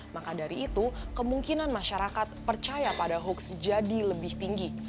maka dari itu kemungkinan masyarakat percaya pada hoax jadi lebih tinggi